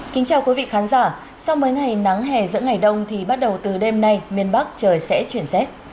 kính chào quý vị khán giả sau mấy ngày nắng hè giữa ngày đông thì bắt đầu từ đêm nay miền bắc trời sẽ chuyển rét